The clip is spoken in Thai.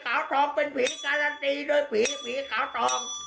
ทองเป็นผีการันตีโดยผีผีขาวตอง